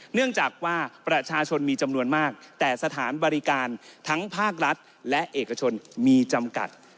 เนื่องจากว่าประชาชนมีจำนวนมากแต่สถานบริการทั้งภาครัฐและเอกชนมีจำกัด